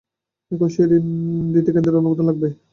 এখন সেই ঋণ দিতে কেন্দ্রের অনুমোদন লাগবে।